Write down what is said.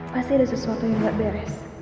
pasti ada sesuatu yang gak beres